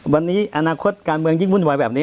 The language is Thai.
วันนี้อนาคตการเมืองยิ่งวุ่นวายแบบนี้